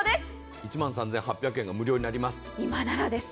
１万３８００円が無料になります。